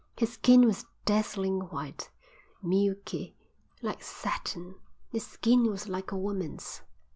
His skin was dazzling white, milky, like satin; his skin was like a woman's."